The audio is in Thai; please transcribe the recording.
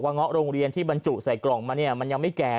เงาะโรงเรียนที่บรรจุใส่กล่องมาเนี่ยมันยังไม่แก่